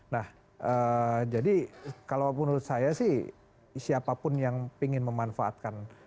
nah jadi kalau menurut saya sih siapapun yang ingin memanfaatkan